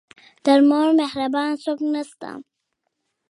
تر مور مهربانه څوک نه شته .